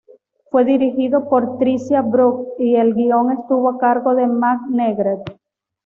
Fue dirigido por Tricia Brock y el guion estuvo a cargo de Matt Negrete.